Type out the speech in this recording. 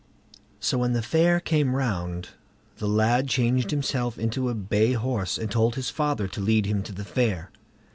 So when the fair came round, the lad changed himself into a bay horse, and told his father to lead him to the fair.